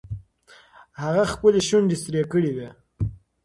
هغې خپلې شونډې سرې کړې وې.